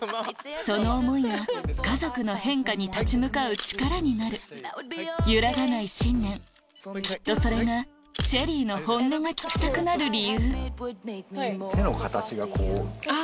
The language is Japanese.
その思いが家族の変化に立ち向かう力になる揺らがない信念きっとそれがＳＨＥＬＬＹの本音が聞きたくなる理由手の形がこう。